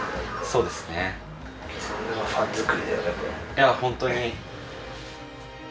いやあ本当に。